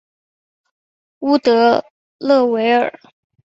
乌德勒维尔。